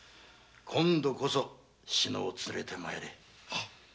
今度こそ志乃を連れて参れ！